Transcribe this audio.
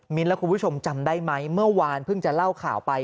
และคุณผู้ชมจำได้ไหมเมื่อวานเพิ่งจะเล่าข่าวไป